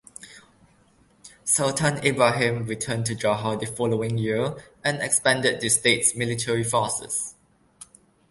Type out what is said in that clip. Sultan Ibrahim returned to Johor the following year, and expanded the state's military forces.